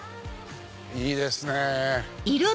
いいですね。